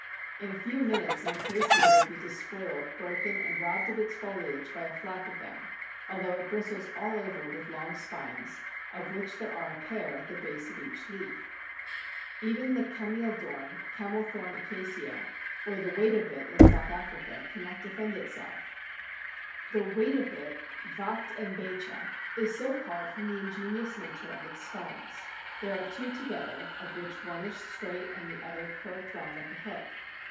In a few minutes an Acacia will be despoiled, broken, and robbed of its foliage by a flock of them, although it bristles all over with long spines, of which there are a pair at the base of each leaf. Even the Kameeldorn, Camelthorn Acacia, or the Wait a bit in South Africa cannot defend itself. The Wait a bit (Wacht een beetje) is so called from the ingenious nature of its spines. There are two together, of which one is straight and the other curved round like a hook.